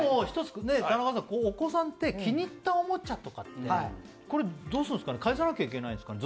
お子さんって、気に入ったおもちゃとかって、どうするんですかね、返さないといけないんですかね。